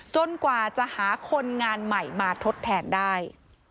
กว่าจะหาคนงานใหม่มาทดแทนได้